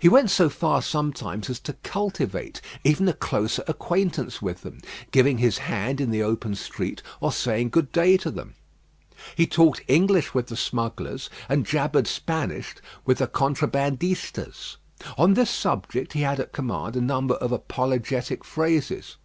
He went so far sometimes as to cultivate even a closer acquaintance with them; giving his hand in the open street, or saying good day to them. He talked English with the smugglers, and jabbered Spanish with the contrebandistas. On this subject he had at command a number of apologetic phrases.